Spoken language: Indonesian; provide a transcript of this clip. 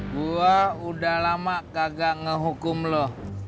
gue udah lama kagak ngehukum loh